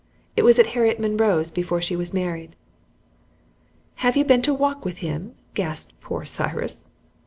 It was at Harriet Munroe's before she was married." "Have you been to walk with him?" gasped poor Cyrus.